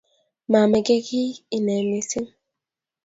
Mamage kiy ine missing